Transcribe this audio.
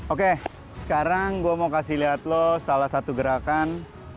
oke sekarang gue mau kasih lihat lo salah satu gerakan